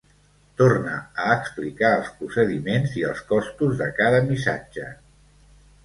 Torna a explicar els procediments i els costos de cada missatge.